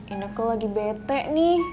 ini aku lagi bete nih